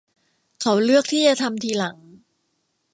เขาเลือกที่จะทำทีหลัง